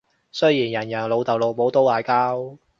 雖然人人老豆老母都嗌交